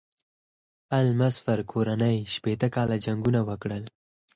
آل مظفر کورنۍ شپېته کاله جنګونه وکړل.